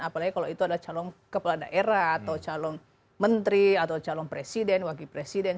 apalagi kalau itu adalah calon kepala daerah atau calon menteri atau calon presiden wakil presiden